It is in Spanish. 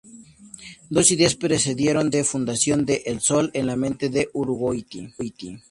Dos ideas presidieron la fundación de "El Sol" en la mente de Urgoiti.